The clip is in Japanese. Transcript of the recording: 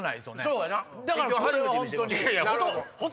そうやんな！